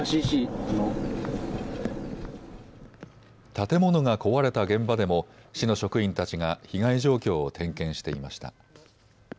建物が壊れた現場でも市の職員たちが被害状況を点検していました。